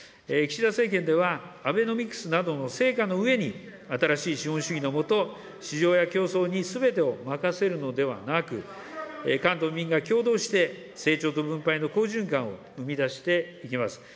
岸田政権では、アベノミクスなどの成果のうえに、新しい資本主義の下、市場や競争にすべてを任せるのではなく、官と民が協働して、成長と分配の好循環を生み出していきます。